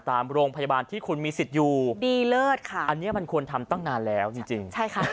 ตามโรงพยาบาลที่คุณมีสิทธิ์อยู่อันนี้มันควรทำตั้งนานแล้วจริง